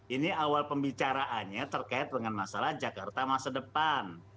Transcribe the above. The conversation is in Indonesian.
ini awal pembicaraannya terkait dengan masalah jakarta masa depan